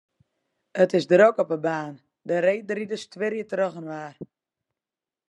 It is drok op 'e baan, de reedriders twirje trochinoar.